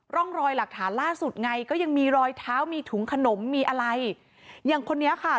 ร่องรอยหลักฐานล่าสุดไงก็ยังมีรอยเท้ามีถุงขนมมีอะไรอย่างคนนี้ค่ะ